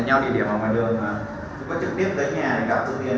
chứ có trực tiếp tới nhà để gặp dương tiên không